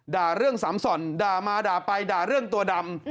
ด่าเรื่องสำส่อนด่ามาด่าไปด่าเรื่องตัวดำ